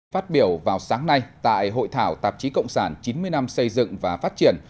phát biểu vào sáng nay tại hội thảo tạp chí cộng sản chín mươi năm xây dựng và phát triển